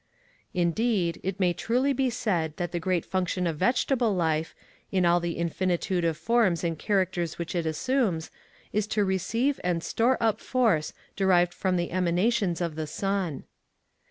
Indeed, it may truly be said that the great function of vegetable life, in all the infinitude of forms and characters which it assumes, is to receive and store up force derived from the emanations of the sun.